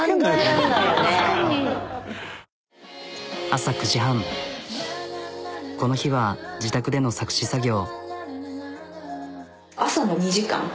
朝９時半この日は自宅での作詞作業。